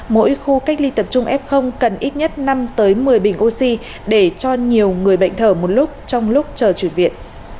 mỗi khu cách ly tập trung f cần ít nhất năm một mươi bình oxy để cho nhiều người bệnh thở một lúc trong lúc chờ chuyển viện